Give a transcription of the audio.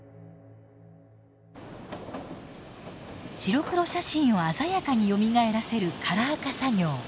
白黒写真を鮮やかによみがえらせるカラー化作業。